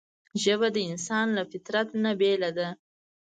ژبه د انسان له فطرته نه بېله ده